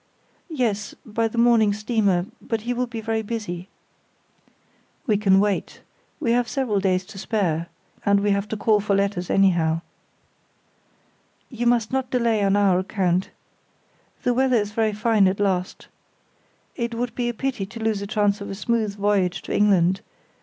"Yes, by the morning steamer; but he will be very busy." "We can wait. We have several days to spare, and we have to call for letters anyhow." "You must not delay on our account. The weather is very fine at last. It would be a pity to lose a chance of a smooth voyage to England.